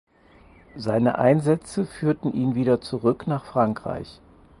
Seine Einsätze führten ihn wieder zurück nach Frankreich.